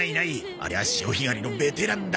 ありゃ潮干狩りのベテランだ。